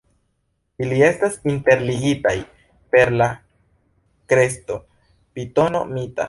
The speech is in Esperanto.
Ili estas interligitaj per la kresto Pitono Mita.